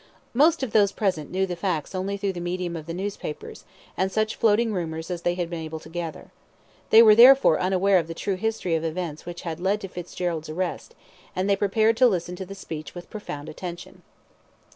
Most of those present knew the facts only through the medium of the newspapers, and such floating rumours as they had been able to gather. They were therefore unaware of the true history of events which had led to Fitzgerald's arrest, and they prepared to listen to the speech with profound attention.